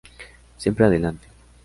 Siempre Adelante.